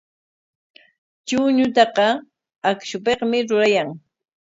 Chuñutaqa akshupikmi rurayan.